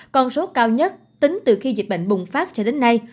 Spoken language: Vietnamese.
con số cao nhất tính từ khi dịch bệnh bùng phát cho đến nay